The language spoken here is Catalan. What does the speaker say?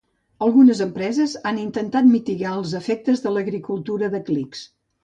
Algunes empreses han intentat mitigar els efectes de l'agricultura de clics.